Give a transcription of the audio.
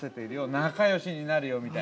仲よしになるよみたいな。